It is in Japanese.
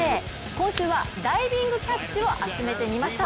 今週はダイビングキャッチを集めてみました。